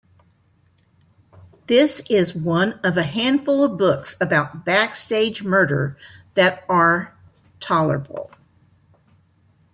This is one of a handful of books about backstage murder that are tolerable.